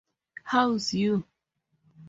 Hows you?